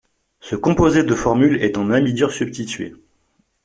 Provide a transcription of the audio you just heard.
Ce composé de formule est un amidure substitué.